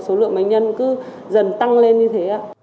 số lượng bệnh nhân cứ dần tăng lên như thế